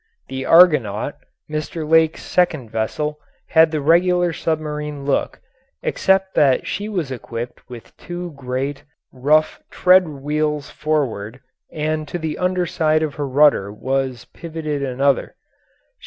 The Argonaut, Mr. Lake's second vessel, had the regular submarine look, except that she was equipped with two great, rough tread wheels forward, and to the underside of her rudder was pivoted another.